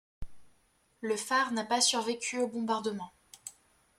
Le phare n'a pas survécu au bombardement.